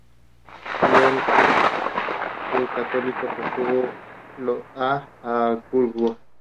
Los huesos de los dedos se llaman "falanges".